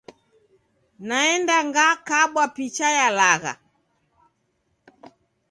Nande ngakabwa picha ya lagha.